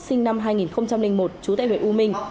sinh năm hai nghìn một trú tại huyện u minh